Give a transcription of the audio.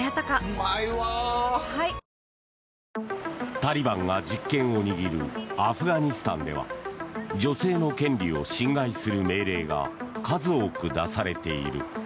タリバンが実権を握るアフガニスタンでは女性の権利を侵害する命令が数多く出されている。